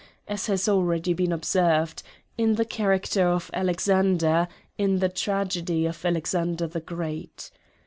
H 1813,* as has already been observed, in the character of Alexander, in the tragedy of Alexander the Great.